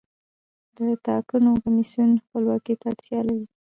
د ټاکنو کمیسیون خپلواکۍ ته اړتیا لري